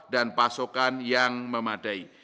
dan pasokan yang memadai